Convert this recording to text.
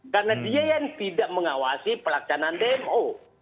karena dia yang tidak mengawasi pelaksanaan dmo